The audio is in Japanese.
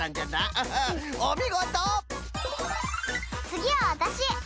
つぎはわたし！